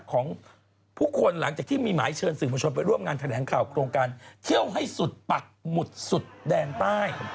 ของผู้คนหลังจากที่มีหมายเชิญสื่อมวลชนไปร่วมงานแถลงข่าวโครงการเที่ยวให้สุดปักหมุดสุดแดนใต้